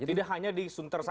tidak hanya disuntar saja